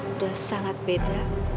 udah sangat beda